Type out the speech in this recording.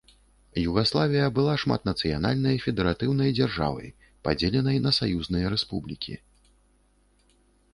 Югаславія была шматнацыянальнай федэратыўнай дзяржавай, падзеленай на саюзныя рэспублікі.